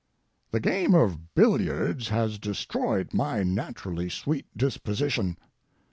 The game of billiards has destroyed my naturally sweet disposition.